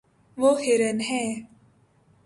وہ ہرن ہے